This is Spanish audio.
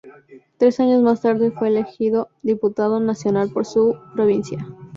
Tres años más tarde fue elegido diputado nacional por su provincia.